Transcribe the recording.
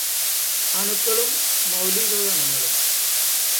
അണുക്കളും മൗലികകണങ്ങളും